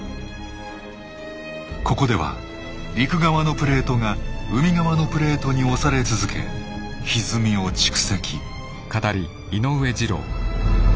ここでは陸側のプレートが海側のプレートに押され続けひずみを蓄積。